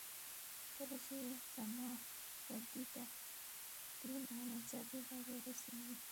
کله چې صماخ پردې ته دروند او ناڅاپي غږ ورسېږي.